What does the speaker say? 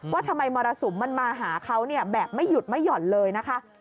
ว่าทำไมมรสุมมันมาหาเขาแบบไม่หยุดไม่หย่อนเลยนะคะ